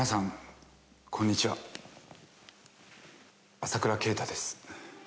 「朝倉啓太です」